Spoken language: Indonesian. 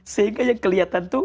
sehingga yang kelihatan tuh